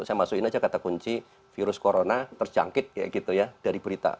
saya masukin aja kata kunci virus corona terjangkit dari berita